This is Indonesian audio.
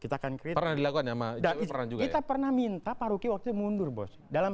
kita akan kritis pernah dilakukan ya sama icw juga ya kita pernah minta pak ruki waktu itu mundur bos dalam